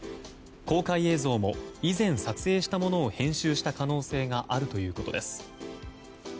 公開映像も、以前撮影したものを編集した可能性があるということです。